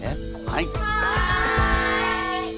はい！